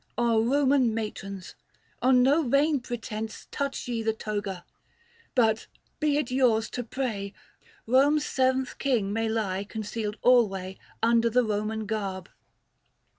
Roman matrons, on no vain pretence Touch ye the toga ; but be it yours to pray Rome's seventh king may lie concealed alway 755 Under the Roman garb."